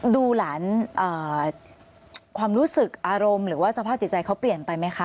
ดูหลานความรู้สึกอารมณ์หรือว่าสภาพจิตใจเขาเปลี่ยนไปไหมคะ